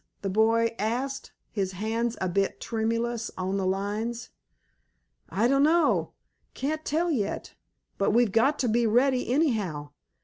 the boy asked, his hands a bit tremulous on the lines. "I dunno. Can't tell yet. But we've got to be ready anyhow.